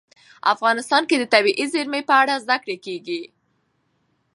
افغانستان کې د طبیعي زیرمې په اړه زده کړه کېږي.